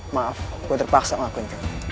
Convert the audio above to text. maaf gue terpaksa ngakuin